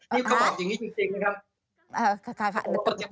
นี่เขาบอกอย่างนี้จริงนะครับ